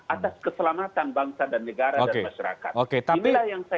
atas keselamatan bangsa dan negara